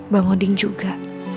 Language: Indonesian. bang odin juga